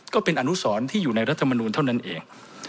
ก็เป็นอนุสรที่อยู่ในรัฐมนูลเท่านั้นเอง